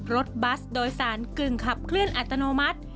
รถบัสโดยสารกึ่งขับเคลื่อนอัตโนมัติ